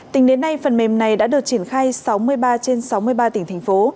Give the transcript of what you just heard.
tính đến nay phần mềm này đã được triển khai sáu mươi ba trên sáu mươi ba tỉnh thành phố